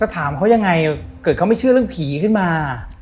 ถามเขายังไงเกิดเขาไม่เชื่อเรื่องผีขึ้นมา